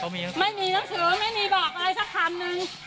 ไม่มีหนังสือไม่มีบอกอะไรสักคำนึง